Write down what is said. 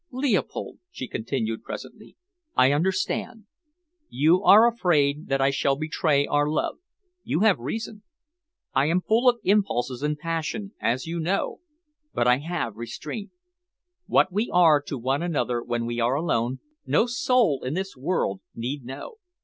"Leopold," she continued presently, "I understand. You are afraid that I shall betray our love. You have reason. I am full of impulses and passion, as you know, but I have restraint. What we are to one another when we are alone, no soul in this world need know.